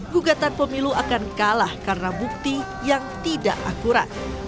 gugatan pemilu akan kalah karena bukti yang tidak akurat